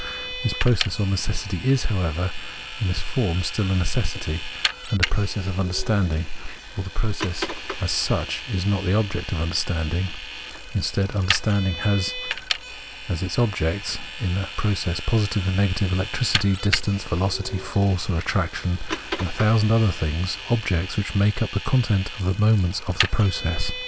This process or necessity is, however, in this form, still a necessity and a process of imderstanding, or the process as such is not the 'object of understanding ; instead, 160 Phenmnenology of Miiid understanding has as its objects in that process positive and negative electricity, distance, velocity, force of attraction, and a thousand other things — objects which make up the content of the moments of the process.